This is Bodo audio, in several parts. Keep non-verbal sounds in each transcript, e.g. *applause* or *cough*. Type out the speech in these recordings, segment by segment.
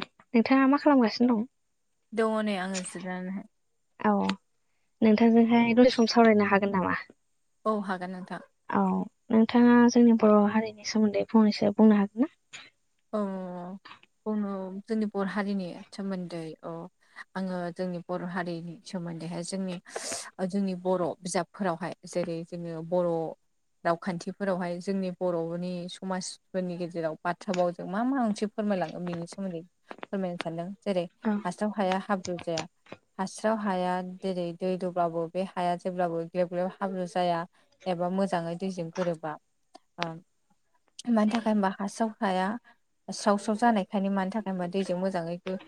नोंथाङा मा खालामगासिनो दं? दनो आंसो दानो औ नोंथांजोंहाय दल सम सावरायनो हागोन नामा? औ हागोन। औ नोंथाङा जोंनि बर' हारिनि सोमोन्दै फंनैसो बुंनो हागोन ना? औ जोंनि बर' हारिनि सोमोन्दै अ आङो जोंनि बर' हारिनि सोमोन्दैहाय जोंनि जोंनि बर' बिजाबफोरावहाय जेरै जोङो बर' रावखान्थिफोरावहाय जोंनि बर'नि समाजफोरनि गेजेराव बाथ बथाबावजों मा मा ओसे फोरमायलां बेनि सोमोन्दै फोरमायनो सानदों जेरै- अ। हास्राव हाया हाब्रु जाया। हास्राव हाया जेरै दै दौब्लाबो बे हाया जेब्लाबो ग्लेब ग्लेब हाब्रु जाया। एबा मोजाङै दैजों गोरोबा मानि थाखाय हबा हासाव हाया स्राव स्राव जानायखायनो मानि थाखाय हबा दैजों मोजाङैबो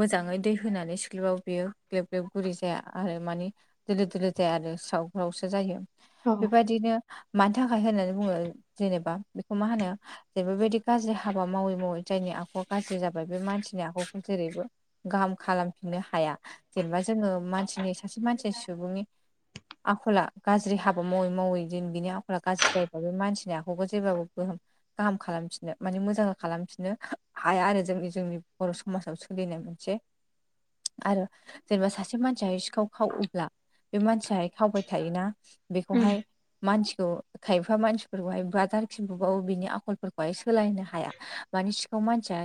मोजाङै दै होनानै सिख्लबाव बियो ग्लेब ग्लेब गुरि जाया आरो मानि दोलो दोलो जाया आरो स्रावस्रावसो जायो। औ बेबायदिनो मानि थाखाय होननानै बुङो जेनेबा बेखौ मा होनो जेबोबायदि गाज्रि हाबा मावै मावै जायनि आखुआ गाज्रि जाबाय बे मानसिनि आखुखौ जेरैबो गाहाम खालामफिननो हाया जेनेबा जोङो मानसिनि सासे मानसि सुबुंनि आखला गाज्रि हाबा मावै मावै दि बिनि आखला गाज्रि जायोबो मानसिनि आखलखौ जेब्लाबो गोहाम गाहाम खालामफिननो माने मोजां खालामफिननो हाया आरो जोंनि जोंनि बर' समाजावो खनाय मोनसे आरो जेनेबा सासे मानसिया सिखाव खाव बे मानसियाहाय खावबाय थायोना। उम बेखौहाय मानसिखौ खायफा मानसिफोरखौहाय बाजार खिबुबावो बिनि आ लफोरखौहाय सोलायनो हाया मानि सिखाङाव मानसिया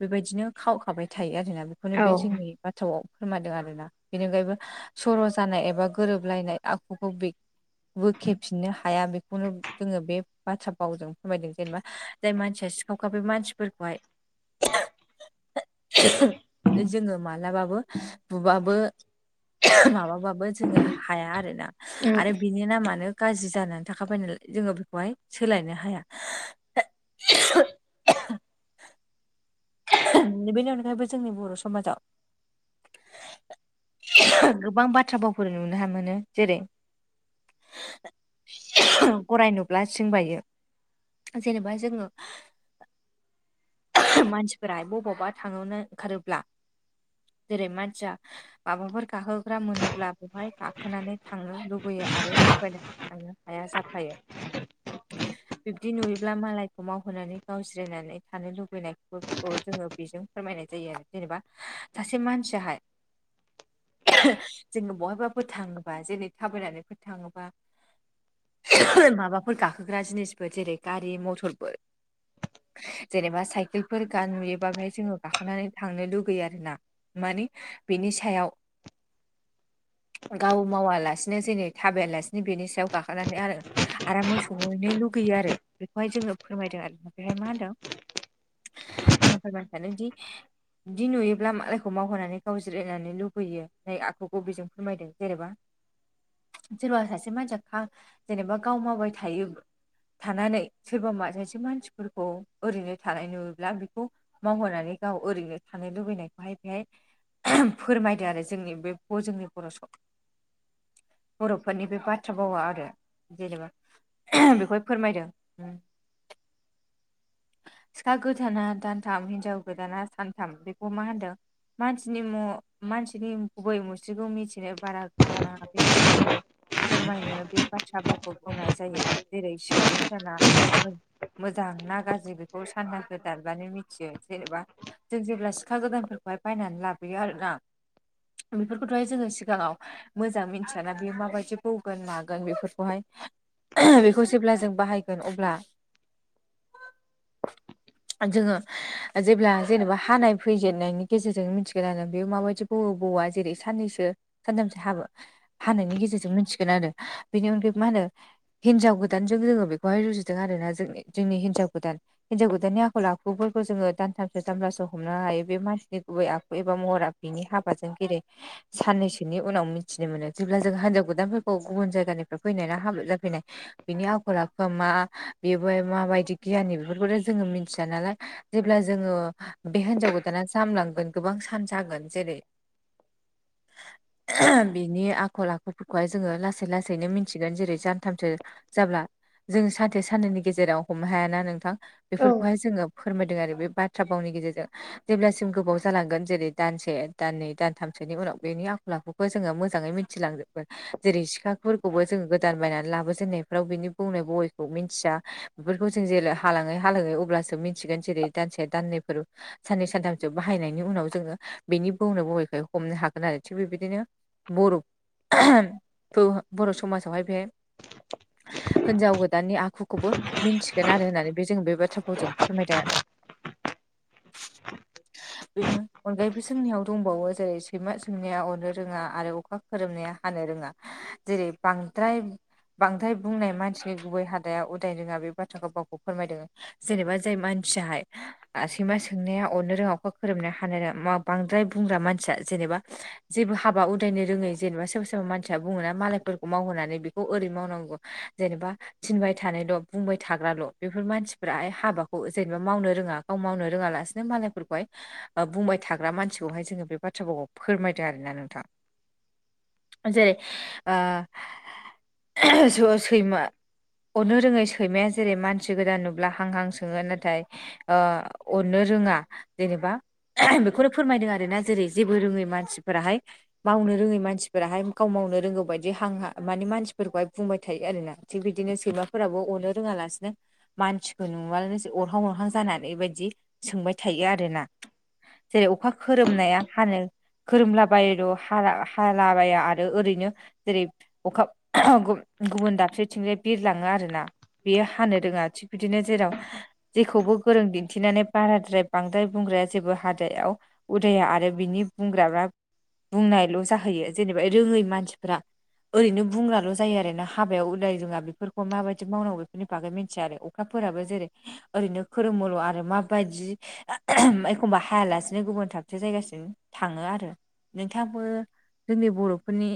बेबायदिनो खावखाबाय थायो आरो। बेखौनो औ बे जोंनि बाथ्राआव फोरमादों आरोना बेनि अनगायैबो सर' जानाय एबा गोरोबलायनाय आखुखौ बे बोखेफिननो हाया बेखौनो जोङो बे बाथ्रा बावजों फोरमायदों। जेनेबा जाय मानसिया सिखावखा बे मानसिफोरखौहाय जोङो मालाबाबो बुबाबो माबाबाबो जोङो हाया आरोना आरो बिनि नामानो गाज्रि जानानै थाखा फैनानैाय जोङो बेखौहाय सोलायनो हाया। बेनि अनगायैबो जोंनि बर' समाजाव गोबां बाथ्रा बावफोर नुनो मोनो। जेरै गराय नुब्ला सिं बायो जेनेबा जोङो मानसिफोरा बबावबा थांनो ओंखारोब्ला जेरै मानसिया माबाफोर गाखोग्रा मोनोब्ला बेवहाय गाखोनानै थांनो लुबैयो आरो थाबाय थांनो हाया जाफायो। बिब्दि नुयोब्ला मालायखौ मावहोनानै गाव जिरायनानै थानो लुबैनाय बे जोङो बेजों फोरमायनाय जायो आरो जेनेबा सासे मानसियाहाय *inaudible* जोङो बहायबा फोथाङोबा जेरै थाबायनानै फोथाङोबा मा बा फोर गाखोग्रा जिनिसफोर जेरै गारि मथरफोर जेनेबा साइकेलफोर गा नुयोबा बेहाय जोङो गाखोनानै थांनो लुगैयो आरोना। माने बिनि सायाव *inaudible* गाव मावालासिनो जोंै थाबायालासिनो बेनि सायाव गाखोनानै आरो आरोाम मोसौहैनो लुगैयो आरो बेखौहाय जोङो फोरमायदों आरो ओमफ्रायहाय मा होनदों? आं फोरमायनो सानो दि बिदि नुयोब्ला मालायखौ मावहोनानै गाव जिरायनानै लुबैयो ननाय आखखौ बबिजों फोरमायदों जेनेबा *inaudible* सोरबा सासे मानसिया खा जेनेबा गाव मावबाय थायो। थानानै सोरबा माजासे मानसिफोरखौ ओरैनो थानाय नुयोला बेखौ मावहोनानै गाव ओरैनो थानो लुबैनायखौहाय बेहाय फोरमायदो आरो जोंनि बे जोंनि बर' बर'फोरनि बे बाथ्रा बाभावा आरो जेनेबा बेखौहाय फोरमायदों। सिखा गोदाना दानथाम हिनजाव गोदाना सानथाम बेखौ मा होनदों? मानसिनि म मानसिनि गुबै मुस्रिखौ मिथिनो बारा गोबाव नाङा बे बाथ फोरमायनो बे बाथ्रा बावखौ बुंनाय जायो जेरै सिखार गोदाना मोजां ना गाज्रि बेखौ सानजा होदानबानो मिथियो जेनेबा जों जेब्ला सिखा गोदानफोरखौहाय बायनानै लाबोयो आरोना। बेफोरखौथ'हाय जोङो सिगाङाव मोजां मिथियाना बेयो माबायदि बौगोन मागोन बेफोरखौहाय बेखौ जेब्ला जों बाहायगोन अब्ला *inaudible* जोङो जेब्ला जेनेबा हानाय फैजेननायनि गेजेरजों मिथिगोन जों बेयाव माबायदि ह बौवा जेरै साननैसो सानथामसो हाबो। हानायनि गेजेरजों मोनथिगोन आरो बेनि अनगायै मा होनो हिनजाव गोदानजों जोङो बेखौहाय रुजुदों आरो ना जों जोंनि हिन्जाव गोदान हिन्जाव गोदाननि आखल आखुफोरखौ जोङो दानथामसो दामबब्लासो हमनो हायो बे मानसिनि गुबै आखु एबा महर आखु बिनि हाबाजों जेरै साननैसोनि उनाव मिथिनो मोनो जेब्ला जों हिन्जाव गोदानफोरखौ गुबुन जायगानिफ्राय फैनायना हाबा जाफैनाय बिनि आखल आखुआ मा बेबो माबायदि गियानि बेफोरखौथ' जोङो मिथिया नालाय जेब्ला जोङो बे हिनजाव गोदाना जाम लांगोन गोबां सान जागोन जेरै *inaudible* बिनि आखल आखुफोरखौहाय जोङो लासै लासैनो मिथिगोन जेरै सानथामसो जाब्ला जों सानसे साननैनि गेजेराव हमनो हायाना नोंथां औ बेफोरखौहाय जोङो फोरमाय होदों आरो बे बाथ्रा भावनि गेजेरजों जेब्लासिम गोबाव जालांगोन जेरै दानसे दाननै दानथामसोनि उनाव बेनि आखल आखुखौ खौ जोङो मोजाङै मिथिलांगोनबो जेरै सिखाफोरखौबो जोंङो गोदान बायनानै लाबोजेननायफ्राव बिनि बुंनाय बयखौ मिथिया बेफोरखौ जों जे हालाङै हालाङै अब्लासो मिथिगोन जेरै दानसे दाननैफोर साननै सानथामसो बाहायनायनि उनाव जोङो बेनि बोननो बबैखाय हमनो हागोन आरो थिग बेबायदिनो बर' बर' समाजावहाय बे हिनजाव गोदाननि आखुखौबो मिन्थिगोन आरो होननानै बे जों बे बाथ्राखौ जों फोरमायदों आरो *inaudible* बेनो अनगायैबो जोंनियाव दंबावो जेरै सैमा सोंनाया अननो रोङा आरो अखा खोरोमनाया हानो रोङा जेरै बांद्राय बांद्राय बुंनाय मानसिनि गुबै हादाया उदाय रोङा बे बाथ्रा भावखौ फोरमायदों जेनेबा जाय मानसियाहाय सैमा सोंनाया अननो रोङाखौ खोरोमनो हानाय न बांद्राय बुंग्रा मानसिया जेनेबा जेबो हाबा उदायनो रोङै जेनेबा सोरबा सोरबा मानसिया बुङोना मालायफोरखौ मावहोनानै बेखौ ओरै मावनांगौ जेनेबा थिनबाय थानायल' बुंबाय थाग्राल' बेफोर मानसिफोराहाय हाबाखौ जेनेबा मावनो रोङा गाव मावनो रोङालासिनो मालायफोरखौहाय बुंबाय थाग्रा मानसिखौहाय जोङो बे बाथ्राखौ फोरमायदों आरोना नोंथां जेरै सैमा अनो रोङै सैमाया जेरै मानसि मानसि गोदान नुब्ला हां हां सोङो नाथाय अननो रोङा जेनेबा बेखौनो फोरमायदों आरोना जेरै जेबो रोङै मानसिफोराहाय मावनो रोङै मानसिफोराहाय गाव मावनो रोंगौ बायदि हां हां माने मानसिफोरखौहाय बुंबाय थायो आरो ना थिग बिदिनो सैमाफोराबो अरनो रोङालासिनो मानसिखौ नुबानोसो अरहां अरहां जानानै बेबायदि सोंबाय थायो आरोना जेरै अखा खोरोमनाया हानो खोरोमलाबायल' हाला हालाबाया आरो ओरैनो जेरै अखा गुबुन दाबसेथिंजाय बिरलाङो आरोना बेयो हानो रोङा थिग बिदिनो जेराव जेखौबो गोरों दिन्थिनानै बाराद्राय बांद्राय बुंग्राया जेबो हादायाव उदया आरो बिनि बुंग्राफ्रा बुंनायल' जाहैयो जेनेबा रोङै मानसिफ्रा ओरैनो बुंग्राल' जायो आरोना हाबायाव उदाय रोङा बेफोरखौ माबायदि मावनांगौ बेफोरनि बागै मिन्थिया आरो अखाफोराबो जेरै ओरैनो खोरोमोल' आरो माबायदि एखमबा हायालासेनो गुबुन थाबसे जायगासिम थाङो आरो नोंथाङाबो जोंनि बर'फोरनि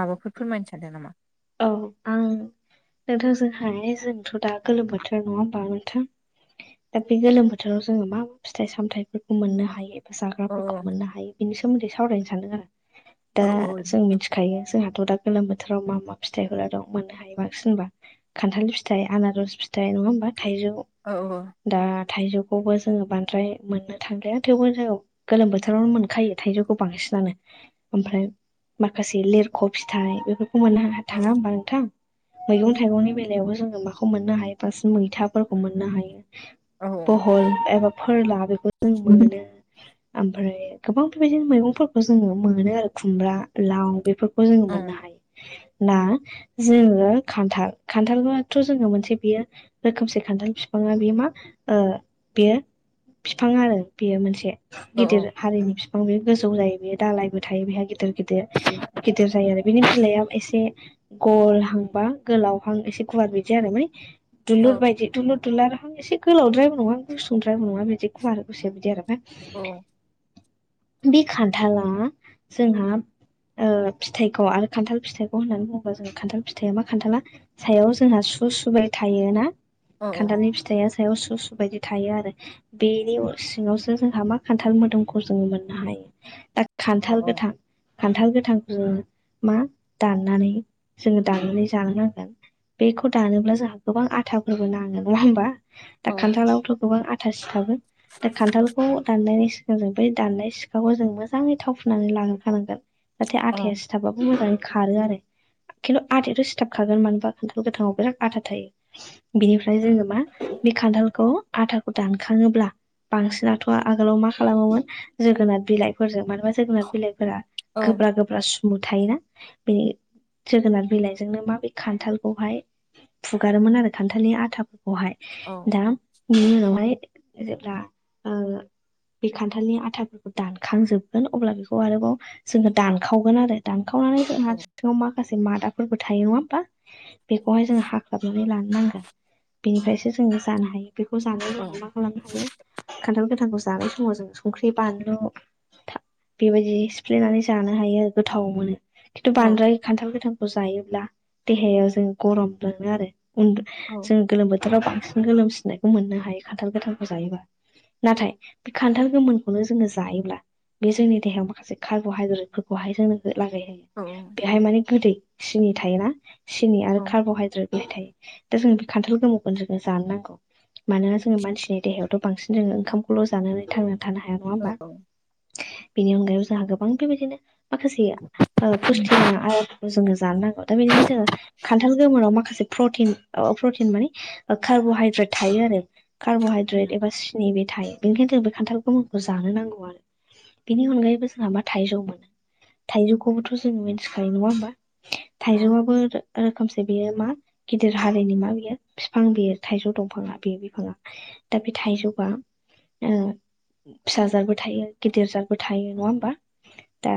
माबाफोर फोरमायनो सानदों नामा औ आं नोंथांजोंहाय जोंथ' दा गोलोम बोथोर नङा होमबा नोंथां दा बे गोलोम बोथोराव जोङो मा मा फिथाइ सामथायफोरखौ मोननो हायो औ जाग्राफोरखौ मोननो हायो बेनि सोमोन्दै सावरायनो सानदों आरो औ दा औ जों नोंथां मिथि खायो जोंहाथ' दा गोलोम बोथोराव मा मा फिथाइखौ दं मोननो हायो बांसिन होनबा खान्थाल फिथाइ आनारस फिथाइ नङा होमबा थाइजौ औ औ दा थाइजौखौबो जोङो बांद्राय मोननो थां्राया थेवबो जोङो। गोलोम बोथोरावनो मोनखायो थाइजौखौ बांसिनानो। ओमफ्राय माखासे लिरख' फिथाइ बेफोरखौ मोननो थाङा होमबा नोंथां? मैगं थाइगंनि बेलायावबो जोङो माखौ मोननो हायो बांसिन मैथाफोरखौ मोननो हायो। औ बहल एबा फोरला बेखौ जों मोनो। ओमफ्राय गोबां बेबायदिनो मैगंफोरखौ जोङो मोनो आरो खुमब्रा लाव बेफोरखौ। खौ जोङो मोननो हायो। ना जोङो खान्थाल खान्थालथ' जोङो मोनसे बियो। रोखोमसे खान्थाल बिफाङा बेयो मा बेयो। बिफां आरो बेयो मोनसे। औ गिदिर हारिनि बिफां बे गोजौ जायो बेयो दालायबो थायो बेहा गिदिर गिदिर। गिदिर जायो आरो बिनि बिलाइआ एसे। गलहां बा गोलावहां एसे गुवार बिदि आरोमाय दुलुर बायदि। दुलुर दुलाराहां एसे गोलावद्रायबो नङा गुसुंद्रायबो नङा बिदि गुवार गुसाया बिदि आरो मा? औ। बे खान्थाला जोंहा फिथाइखौ आरो खान्थाल फिथाइ होननानै बुङोबा जों खान्थाल फिथाइा खान्थाला सायाव जोंहा सु सुबाय थायो ना। औ औ खान्थालनि फिथाइया सायाव उ सुसु बायदि थायो आरो। बेनि सिङावसो जोंहा मा खान्थाल मोदोमखौ जोङो मोननो हायो। खान्थाल गोथां औ खान्थाल गोथांफोर मा। दाननानै जोङो दाननानै जानो नांगोन बेखौ दानोब्ला जोंहा गोबां आथाफोरबो नाङो नङा होमबा दा औ औ खान्थालावथ' गोबां आथा। थास थाबोन दा खान्थालखौ दाननायनि सिगां जों ब दाननाय सिखाखौ जों मोजाङै थाव फुननानै लाग्रोखानांगोन। जाहाथे आाइया औ सिथाबोजां। खारो आरो खिन्थु आदाथ' सिथाब खागोन मानोबा खिथाल गोथाङाव बिराद आथा थायो। बेनिफ्राय जोङो मा बे खान्थालखौ आथाखौ दानखाङोब्ला। बांसिनाथ' आगोलाव मा खालामोमोन जोगोनाथ बिलाइफोरजों मानोबा। जोगोनार बिलाइफोरा औ औ गोब्रा गोब्रा सोमु थायोना। बे जोगोनार बिलाइजोंनो मा खान्थालखौहाय फुगारोमोन आरो खान्थालनि आथाफोरखौहाय औ औ दा। बि माबाय आ बे खान्थालनि आथाफोरखौ दानखांजोबगोन अब्ला बेखौ आरोबाव। जोङो दानखावगोन आरो दानखावनानै। जोंहा औ सिङाव माखासे मादाफोरबो थायो नङा होमबा बेखौहाय जोङ हाख्लाबनानै लानो नांगोन। बिनिफ्रायसो जोङो जानो हायो बेखौ जानाय जोंहा मा खालामनो हायो। खान्थाल गोथांखौ जानाय समाव जों संख्रि, बानलु बेबायदि सिफ्लेनानै जानो हायो गोथाव मोनो। खिन्थु बांद्राय खान्थाल गोथांखौ जायोब्ला देहायाव जों गरम मोनङो आरो उम। औ जों गोलोम बोथोराव बांसिन गोलोमसिननायखौ मोननो हायो खान्थाल गोथालखौ जायोबा। नाथाय बे खान्थाल गोमोनखौनो जोङो जायोब्ला। बे जोंनि देहायाव माखासे कार्हाइद्रेट फोरफोरखौहाय जोंनो लागायहायो। बेहाय माने गोदै सिनि थायोना सिनि आरो कार्ब'हाइद्रेट बेहाय थायो। दा जों बे खान्थाल गोमौखौनो जोङो जानो नांगौ। मानोना जोङो मानसिनि देहायावथ' बांसिन जोङो ओंखामल' जानानै थांनो। थानो हाया नङा होमबा बेनि अनगायैबो जोंहा गोबां बेबायदिनो माखासे। फुस्त होना आरो जोङो जानो नांगौ दा बेनिखायनो जोङो खान्थाल गोमोनोराव माखासे प्रटिन प्रटिन माने। कार्ब'हाइद्रेट थायो आरो कार्बहाइद्रेट एबा। बे थायो बेनिखायनो जों बे खान्थाल गोमाखौ जानो नांगौ आरो बेनि अनगायैबो जोंाबा थाइजौ मोनो थायजौखौबोथ' जोङो मिथिखायो नङा होमबा थाइजौबो रोखोमसे बेयो मा गिदिर हारिनि मा बियो बिफां बियो थाइजौ दंफाङा बेयो बिफाङा दा बे थाइजौया फिसा जादबो थायो गिदिर जादबो थायो नङा होमबा दा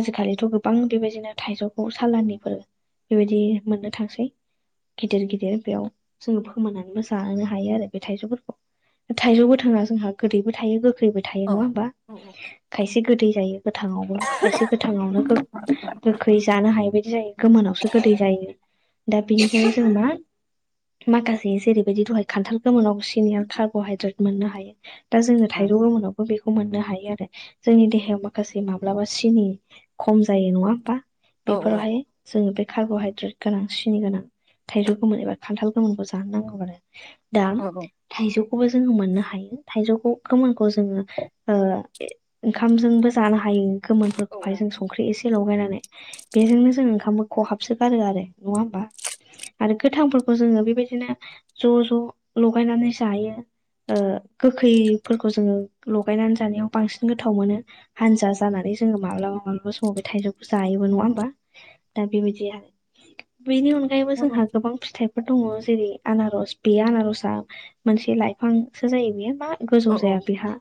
आजिखालिथ' गोबां बेबायदिनो थाइजौखौ साालाननिफोर बेबायदि मोननो थांसै गिदिर गिदिर बेयाव जोङो फोमोननानैबो जाहोनो हायो आरो बे थाइजौफोरखौ थाइजौबो गोथां जोंहा गोदैबो थायो गोखैबो थायो। थायो नङा होमबा खायसे गोदै जायो गोथांयावबो खायसे गोथाङावनो गोखै जानो हायि बायदि जायो। गोमोनावसो गोदै जायो दा बिनिखायनो जों मा माखासे जेरैबायदि दहाय खान्थाल गोमोनाव सिनिय कार्ब'हाइद्रेट मोननो हायो। दा जोंनो थाइजौ गोमोनाव बेखौ मोननो हायो आरो जोंनि देहायाव माखासे माब्लाबा सिनि खम जायो नङा होमबा? बेफोरावहाय जोङो बे कार्ब'हाइद्रेट गोनां सिनि गोनां थाइजौ गोमोन एबा खान्थाल गोमोनखौ जानो नांगौ आरो दा थाइजौखौबो जोङो मोननो हायो थाइजौखौ गोमोनखौ जोङो ओंखामजोंबो जानो हायो गोमोनफोरखौहाय जों संख्रि एसे सलाव गायनानै बेजोंनो जों ओंखामबो खहाबसो गारो आरो नङा होमबा? आरो गोथांफोरखौ जोङो बेबायदिनो ज' ज' लगायनानै जायो। गोखैफोरखौ जोङो लगायनानै जानायाव बांसिन गोथाव मोनो। हानजा जानानै जोङो माब्लाबा मालाबा सबे थाइजौखौ जायोबो नङा होमबा दा बेबायदि आरो बेनि अनगायै बेगफ्रायबो जोंहा गोबां फिथाइ फोर दङ जेरै आनारस बे आनारसआ मोनसे लाइफांसो जायो बेयो मा गोजौ जाया बेहा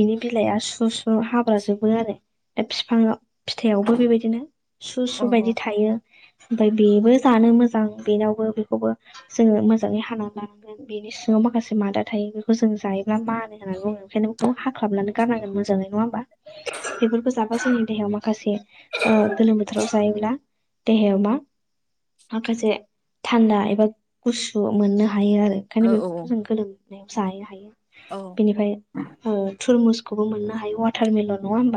बिनि बिलाइआ सु सु हाब्राजोबो आरो दा बिफाङाव फिथायाइावबो बेबायदिनो सु सु बायदि थायो। ओमफ्राय बेबो जानो मोजां बेनावबो बेखौबो जोङो मोजाङै हानानै लानांगोन बेनि सिङाव माखासे मादा थायो बेखौ जों जायोब्ला मानो होननानै बुङो बेओंखायनो बेखौ हाख्लाब्लानो गारनांगोन मोजाङै नङा होमबा? बेफोरखौ जाबासोनि देहाया मा माखासे गोलोम बोथोराव जायोब्ला देहाया मा माखासे थान्दा एबा गुसु मोननो हायो आरो। ओंखायनो औ बेखौथ' जों गोलोमनायाव जाहैनो हायो। औ बिनिफ्राय थुरमुसखौबो मोननो हायो वाटारमेलन नङा होमबा?